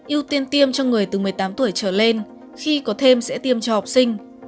ưu tiên tiêm cho người từ một mươi tám tuổi trở lên khi có thêm sẽ tiêm cho học sinh